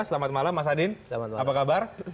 selamat malam mas adin apa kabar